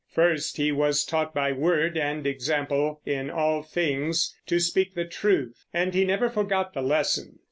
First, he was taught by word and example in all things to speak the truth, and he never forgot the lesson.